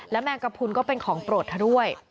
แมงกระพุนก็เป็นของโปรดเธอด้วย